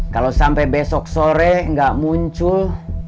kalau sampai besok sore nggak muncul